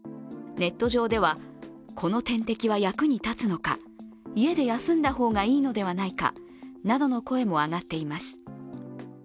ネット上では、この点滴は役に立つのか、家で休んだ方がいいのではないかなどの声も上がっています。